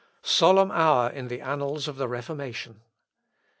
Solemn hour in the annals of the Reformation!